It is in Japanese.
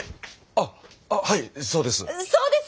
ああはいそうです。